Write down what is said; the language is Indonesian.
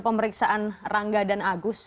pemeriksaan rangga dan agus